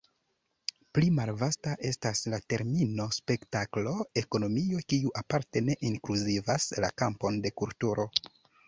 Pli malvasta estas la termino spektaklo-ekonomio, kiu aparte ne inkluzivas la kampon de kulturo.